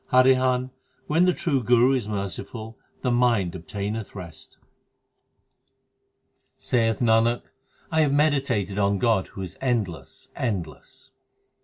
Harihan, when the true Guru is merciful, the mind obtaineth rest. 6 Saith Nanak, I have meditated on God who is endless, endless.